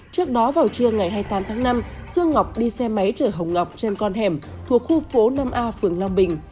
trước đó vào trưa ngày hai mươi tám tháng năm dương ngọc đi xe máy chở hồng ngọc trên con hẻm thuộc khu phố năm a phường long bình